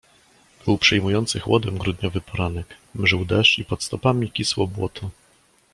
"Był przejmujący chłodem grudniowy poranek, mżył deszcz i pod stopami kisło błoto."